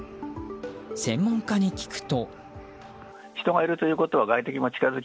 専門家に聞くと。